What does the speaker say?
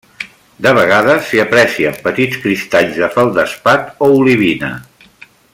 De vegades s'hi aprecien petits cristalls de feldespat o olivina.